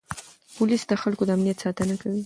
پولیس د خلکو د امنیت ساتنه کوي.